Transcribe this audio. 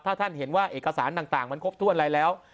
ถ้าท่านเห็นว่าเอกสารต่างมันครบถ้วนอะไรแล้ว